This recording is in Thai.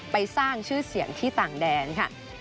ไปสร้างชื่อเสียงที่ต่างแดนค่ะ